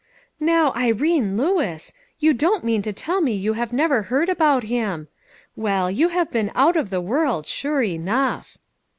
"" Now, Irene Lewis ! you don't mean to tell me you have never heard about him! Well, you have been out of the world, sure enough."